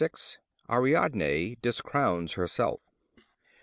Ariadne discrowns herself.